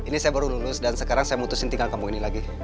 ini saya baru lulus dan sekarang saya mutusin tinggal kampung ini lagi